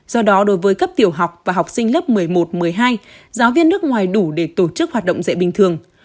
do đó đối với cấp tiểu học và học sinh lớp một mươi một một mươi hai giáo viên nước ngoài đủ để tổ chức hoạt động dạy bình thường